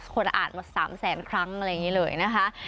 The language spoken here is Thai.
คนอ่านมา๓แสนครั้งอะไรอย่างนี้เลยนะคะ